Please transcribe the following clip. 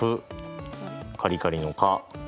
カリカリの「カ」